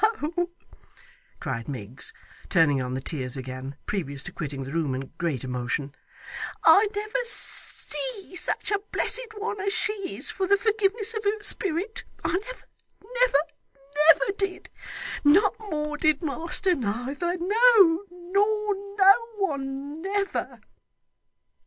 cried Miggs, turning on the tears again, previous to quitting the room in great emotion, 'I never see such a blessed one as she is for the forgiveness of her spirit, I never, never, never did. Not more did master neither; no, nor no one never!